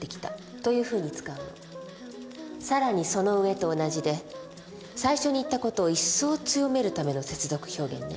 「更にその上」と同じで最初に言った事を一層強めるための接続表現ね。